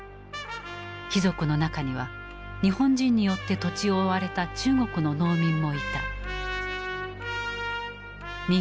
「匪賊」の中には日本人によって土地を追われた中国の農民もいた。